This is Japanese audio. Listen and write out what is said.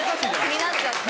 気になっちゃった。